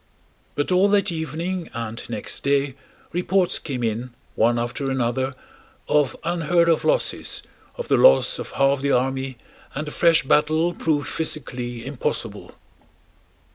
But all that evening and next day reports came in one after another of unheard of losses, of the loss of half the army, and a fresh battle proved physically impossible.